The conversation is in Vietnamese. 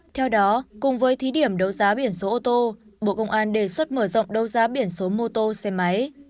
theo đó cùng với thí điểm đấu giá biển số ô tô bộ công an đề xuất mở rộng đấu giá biển số mô tô xe máy